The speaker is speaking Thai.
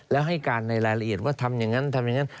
แล้วให้การในรายละเอียดว่าทำอย่างนั้นทำอย่างนั้น